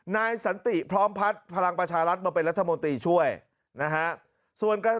นายสันติพร้อมพัฒน์พลังประชารัฐมาเป็นรัฐมนตรีช่วยนะฮะส่วนการ